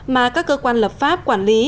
mà các cơ quan lập pháp quản lý